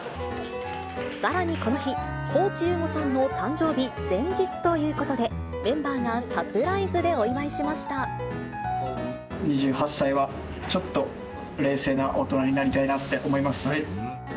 さらにこの日、高地優吾さんの誕生日前日ということで、メンバーがサプライズで２８歳は、ちょっと冷静な大人になりたいなって思います。